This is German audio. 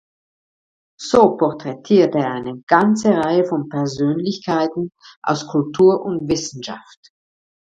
So porträtierte er eine ganze Reihe von Persönlichkeiten aus Kultur und Wissenschaft.